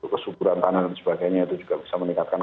kesuburan tanah dan sebagainya itu juga bisa meningkatkan